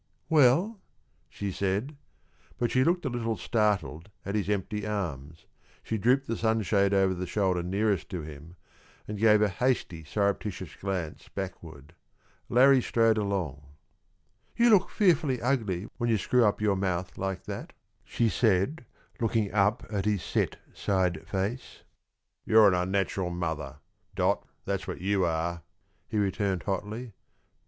"Well?" she said, but she looked a little startled at his empty arms; she drooped the sunshade over the shoulder nearest to him, and gave a hasty, surreptitious glance backward. Larrie strode along. "You look fearfully ugly when you screw up your mouth like that," she said, looking up at his set side face. "You're an unnatural mother, Dot, that's what you are," he returned hotly.